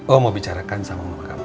om mau bicarakan sama mama kamu